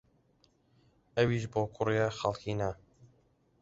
ئەویش بۆ کوڕێ خەڵکی نا